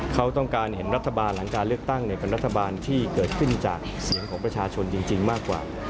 เขาต้องการเห็นรัฐบาลหลังการเลือกตั้งเป็นรัฐบาลที่เกิดขึ้นจากเสียงของประชาชนจริงมากกว่า